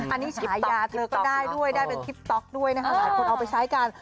อันนี้ฉายาเธอก็ได้ด้วยได้เป็นคลิปต๊อกด้วยนะคะหลายคนเอาไปใช้กัน